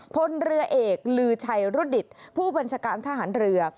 พลเรือเอกลือชัยรุดิตผู้บัญชาการทหารเรือ